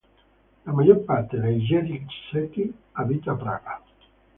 La maggior parte dei "Jedi cechi" abita a Praga.